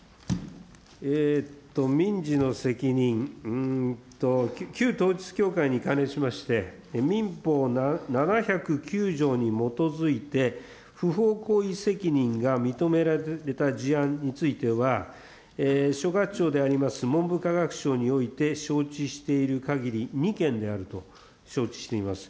民事の責任と、旧統一教会に関連しまして、民法７０９条に基づいて、不法行為責任が認められた事案については、所轄庁であります文部科学省において承知しているかぎり２件であると承知しています。